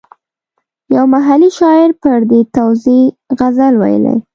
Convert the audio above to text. یو محلي شاعر پر دې توزېع غزل ویلی.